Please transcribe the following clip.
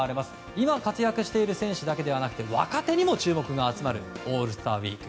今活躍している選手だけではなくて若手にも注目が集まるオールスターウィーク。